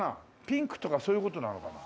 「ピンクとかそういう事なのかな」